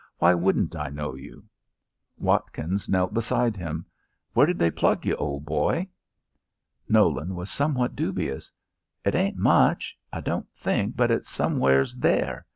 Why wouldn't I know you?" Watkins knelt beside him. "Where did they plug you, old boy?" Nolan was somewhat dubious. "It ain't much. I don't think but it's somewheres there."